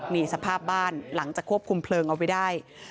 นี่สภาพบ้านหลังจากควบคุมเพลิงเอาไว้ได้